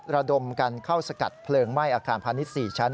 ระดมกันเข้าสกัดเพลิงไหม้อาคารพาณิชย์๔ชั้น